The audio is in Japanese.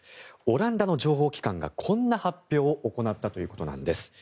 オランダの情報機関がこんな発表を行ったということなんです。